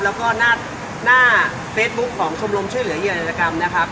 แล้วก็หน้าหน้าเฟซบุ๊กของคำลมชื่อเหลือเยี่ยนรัฐกรรมนะครับ